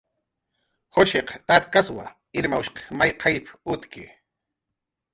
"Jushiq tatkaswa, Irmawshq may qayllp"" utki"